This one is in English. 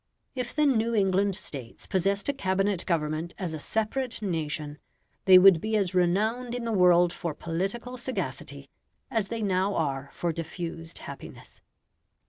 If the New England States possessed a Cabinet government as a separate nation, they would be as renowned in the world for political sagacity as they now are for diffused happiness.